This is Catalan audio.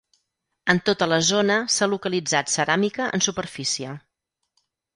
En tota la zona s'ha localitzat ceràmica en superfície.